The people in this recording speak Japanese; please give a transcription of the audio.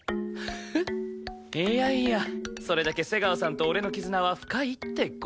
フッいやいやそれだけ瀬川さんと俺の絆は深いって事？